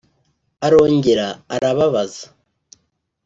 Arongera arababaza